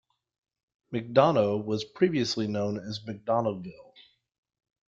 McDonogh was previously known as McDonoghville.